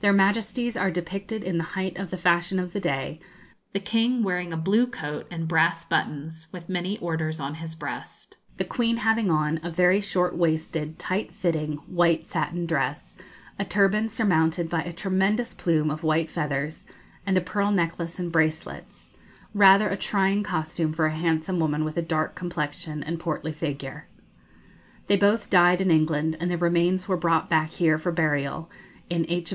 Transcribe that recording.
Their Majesties are depicted in the height of the fashion of the day, the king wearing a blue coat and brass buttons, with many orders on his breast, the queen having on a very short waisted, tight fitting white satin dress, a turban surmounted by a tremendous plume of white feathers, and a pearl necklace and bracelets: rather a trying costume for a handsome woman with a dark complexion and portly figure. They both died in England, and their remains were brought back here for burial, in H.